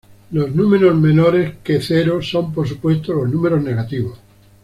Los números menores que cero son por supuesto los números negativos.